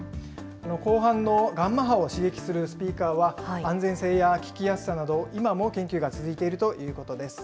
後半のガンマ波を刺激するスピーカーは、安全性や聞きやすさなど、今も研究が続いているということです。